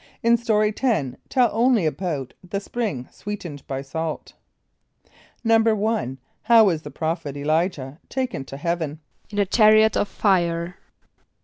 In Story 10, tell only about "The Spring Sweetened by Salt.") =1.= How was the prophet [+E] l[=i]´jah taken to heaven? =In a chariot of fire.